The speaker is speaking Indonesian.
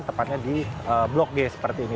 tepatnya di blok g seperti ini